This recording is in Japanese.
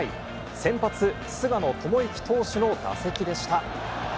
先発、菅野智之投手の打席でした。